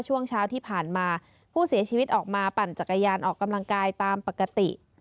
ช่วงเช้าที่ผ่านมาผู้เสียชีวิตออกมาปั่นจักรยานออกกำลังกายตามปกติ